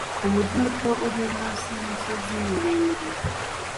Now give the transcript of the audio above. Umujyi muto uri munsi yimisozi miremire